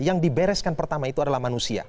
yang dibereskan pertama itu adalah manusia